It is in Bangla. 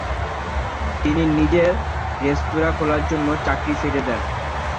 তিনি নিজের রেস্তোরাঁ খোলার জন্য চাকরি ছেড়ে দেন।